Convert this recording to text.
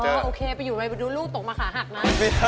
โอเระโอเคไปอยู่ไว้ดูลูกตกมาขาหักนะ